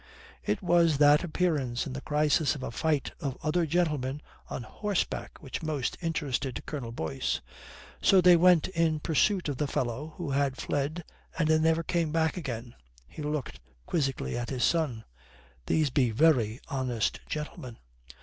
It was that appearance in the crisis of the fight of other gentlemen on horseback which most interested Colonel Boyce. "So they went in pursuit of the fellow who had fled and they never came back again." He looked quizzically at his son. "These be very honest gentlemen."